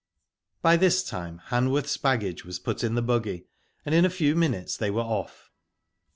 By this time Hanworth's baggage was put in the buggy, and in a few minutes they were off.